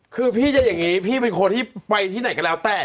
คือพี่จะอย่างนี้พี่เป็นคนที่ไปที่ไหนก็แล้วแต่